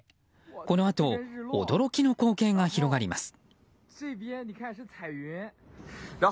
このあと驚きの光景が広がります。